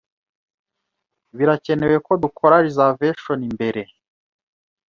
Birakenewe ko dukora reservation mbere.